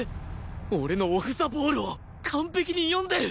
俺のオフ・ザ・ボールを完璧に読んでる！